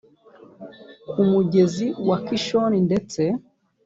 ku mugezi wa kishoni ndetse